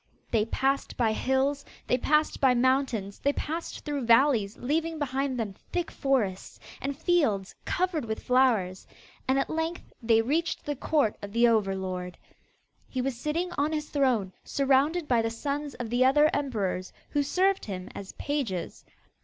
They passed by hills, they passed by mountains, they passed through valleys, leaving behind them thick forests, and fields covered with flowers; and at length they reached the court of the over lord. He was sitting on his throne, surrounded by the sons of the other emperors, who served him as pages.